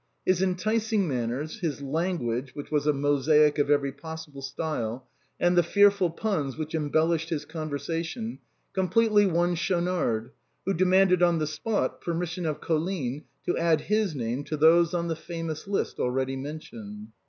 His enticing manners, his language, which was a mosaic of every possible stjde, and the fearful puns which embellished his conversations, completely won Schaunard, who demanded on the spot permission of Col 22 THE BOHEMIANS OF THE LATIN QUARTER. line to add liis name to those on the famous list already mentioned.